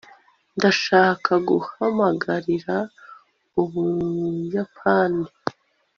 ndashaka guhamagarira ubuyapani